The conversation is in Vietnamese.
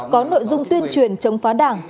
có nội dung tuyên truyền chống phá đảng nhà nước